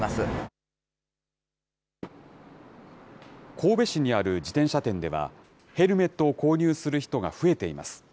神戸市にある自転車店では、ヘルメットを購入する人が増えています。